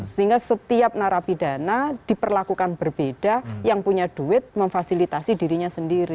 sehingga setiap narapidana diperlakukan berbeda yang punya duit memfasilitasi dirinya sendiri